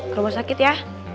ke rumah sakit ya